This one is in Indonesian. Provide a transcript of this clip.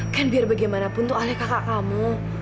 kan biar bagaimanapun tuh oleh kakak kamu